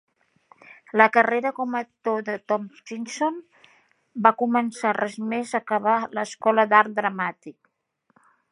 La carrera com a actor de Tompkinson va començar res més acabar l'escola d'art dramàtic.